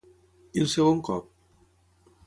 I el segon cop?